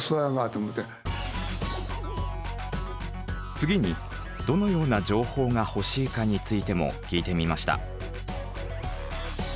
次にどのような情報が欲しいかについても聞いてみました。